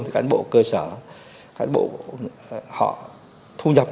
thì cán bộ cơ sở cán bộ họ thu nhập